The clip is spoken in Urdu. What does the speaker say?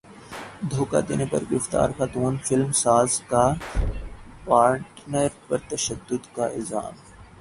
دھوکا دینے پر گرفتار خاتون فلم ساز کا پارٹنر پر تشدد کا الزام